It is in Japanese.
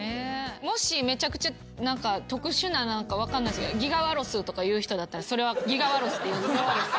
もしめちゃくちゃ特殊な分かんないですけどギガワロスとか言う人だったらそれはギガワロスって。